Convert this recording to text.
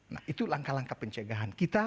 nah itu langkah langkah pencegahan kita